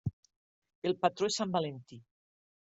El patró és sant Valentí.